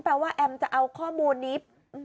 ว่าแอมจะเอาข้อมูลนี้